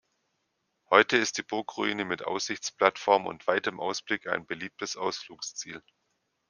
Heute ist die Burgruine mit Aussichtsplattform und weitem Ausblick ein beliebtes Ausflugsziel.